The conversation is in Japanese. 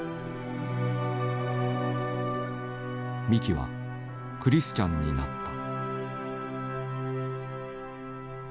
三木はクリスチャンになった。